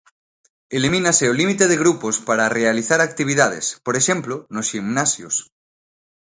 Elimínase o límite de grupos para realizar actividades, por exemplo, nos ximnasios.